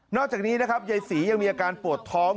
อกจากนี้นะครับยายศรียังมีอาการปวดท้อง